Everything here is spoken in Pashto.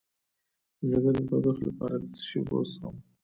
د ځیګر د تودوخې لپاره د څه شي اوبه وڅښم؟